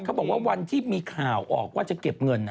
บอกว่าวันที่มีข่าวออกว่าจะเก็บเงิน